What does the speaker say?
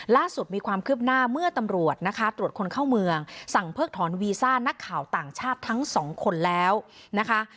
ล่าสุดมีความคืบหน้าเมื่อตำรวจนะคะตรวจคนเข้าเมืองสั่งเพิกถอนวีซ่านักข่าวต่างชาติทั้งสองคนแล้วนะคะ